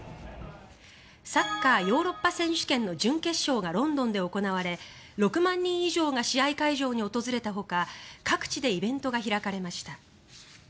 サッカーヨーロッパ選手権の準決勝がロンドンで行われ、６万人以上が試合会場に訪れたほか各地でイベントが開かれました。